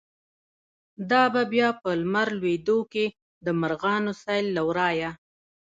“دا به بیا په لمر لویدو کی، د مرغانو سیل له ورایه